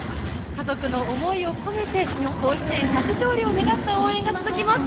家族の思いを込めて甲子園初勝利を願った応援が続きます。